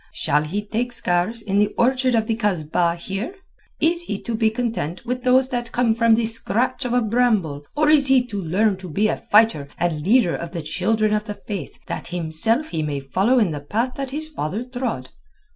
Shall he take scars in the orchard of the Kasbah here? Is he to be content with those that come from the scratch of a bramble, or is he to learn to be a fighter and leader of the Children of the Faith that himself he may follow in the path his father trod?"